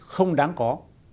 không đáng có